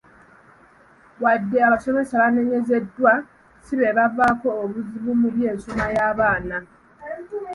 "Wadde nga abasomesa banenyezebwa, si beebavaako obuzibu mu by'ensoma y'abaana."